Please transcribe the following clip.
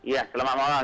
ya selamat malam